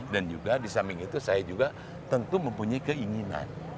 dan juga di samping itu saya juga tentu mempunyai keinginan